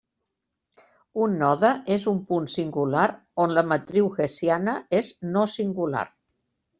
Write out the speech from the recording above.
Un node és un punt singular on la matriu hessiana és no-singular.